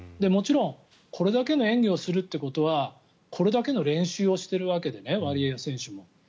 もちろんこれだけの演技をするということはこれだけの練習をしてるわけでワリエワ選手も。